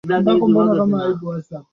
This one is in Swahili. makazi especially wakati sasa tunaenda